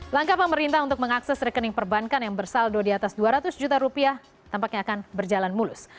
langkah pemerintah untuk mengakses rekening perbankan yang bersaldo di atas dua ratus juta rupiah tampaknya akan berjalan mulus